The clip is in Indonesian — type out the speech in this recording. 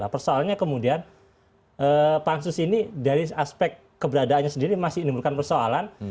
persoalannya kemudian pansus ini dari aspek keberadaannya sendiri masih menimbulkan persoalan